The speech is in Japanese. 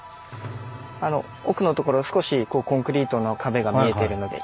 あの奥のところ少しコンクリートの壁が見えてるので。